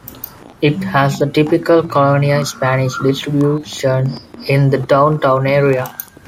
It has the typical colonial Spanish distribution in the downtown area.